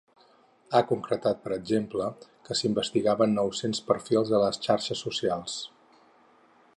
Ha concretat, per exemple, que s’investigaven nou-cents perfils a les xarxes socials.